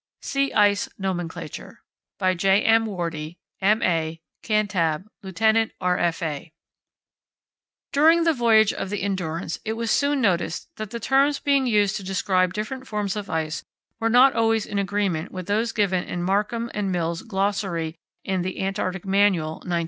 SEA ICE NOMENCLATURE By J. M. WORDIE, M.A. (Cantab.), Lieut. R.F.A. During the voyage of the Endurance it was soon noticed that the terms being used to describe different forms of ice were not always in agreement with those given in Markham's and Mill's glossary in "The Antarctic Manual," 1901.